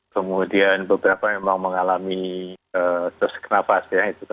kemudian beberapa memang mengalami susah nafas